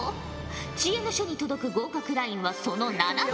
知恵の書に届く合格ラインはその７割。